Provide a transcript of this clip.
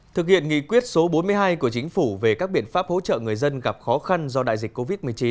thực hiện nghị quyết số bốn mươi hai của chính phủ về các biện pháp hỗ trợ người dân gặp khó khăn do đại dịch covid một mươi chín